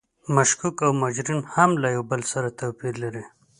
مشکوک او مجرم هم یو له بل سره توپیر لري.